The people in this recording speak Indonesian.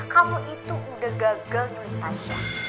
kamu itu udah gagal nyulik tasya